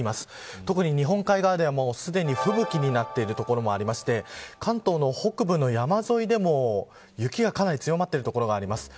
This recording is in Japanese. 特に日本海側では、すでに吹雪になっている所もありまして関東の北部の山沿いでも雪が、かなり強まっている所があります。